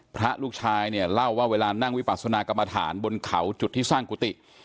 พระลูกชายเนี่ยเล่าว่าเวลานั่งวิปัสนากรรมฐานบนเขาจุดที่สร้างกุฏิ